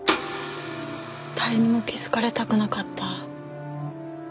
誰にも気づかれたくなかった。